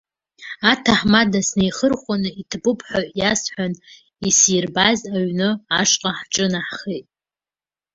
Аҭаҳмада снаиеихырхәаны, иҭабуп ҳәа иасҳәан, исирбаз аҩны ашҟа ҳҿынаҳхеит.